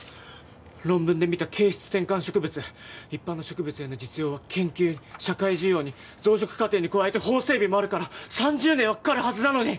論文で見た形質転換植物一般の植物への実用は研究社会需要に増殖過程に加えて法整備もあるから３０年はかかるはずなのに！